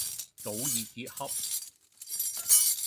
早已接洽。